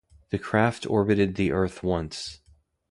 The craft orbited the Earth once.